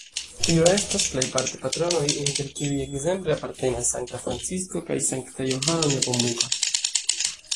Tio estas plejparte patronoj, inter kiuj ekzemple apartenas sankta Francisko kaj sankta Johano Nepomuka.